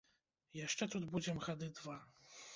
Яшчэ тут будзем гады два.